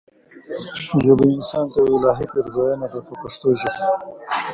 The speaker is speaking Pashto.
ژبه انسان ته یوه الهي پیرزوینه ده په پښتو ژبه.